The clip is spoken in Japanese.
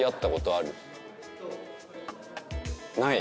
ない？